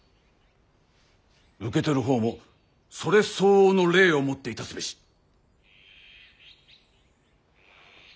受け取る方もそれ相応の礼をもっていたすべし！